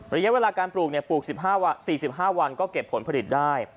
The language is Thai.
ระยะเวลาการปลูกเนี้ยปลูกสิบห้าวันสี่สิบห้าวันก็เก็บผลผลิตได้